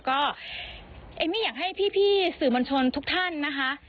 ก็เอมมี่อยากให้พี่สื่อมวลชนทุกท่านนะคะ